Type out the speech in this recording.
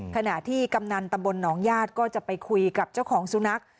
ขณะที่กำนันตำบลหนองญาติก็จะไปคุยกับเจ้าของสุนัข